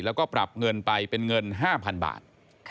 แล้วก็ปรับเงินไปเป็นเงิน๕๐๐๐บาท